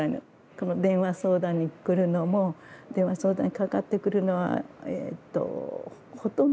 この電話相談に来るのも電話相談にかかってくるのはほとんどが娘です。